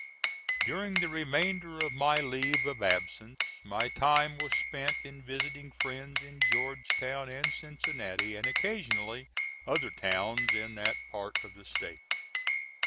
During the remainder of my leave of absence, my time was spent in visiting friends in Georgetown and Cincinnati, and occasionally other towns in that part of the State.